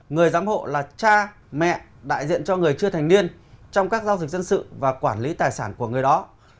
người giám hộ là cha mẹ đại diện cho người chưa thành niên trong các giao dịch dân sự và quản lý tài sản của người đó